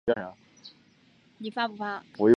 凤凰勋章是希腊所颁授的一种勋章。